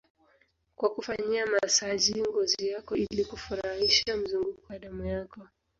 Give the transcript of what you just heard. kwa kufanyia masaji ngozi yako ili kurahisisha mzunguko wa damu yako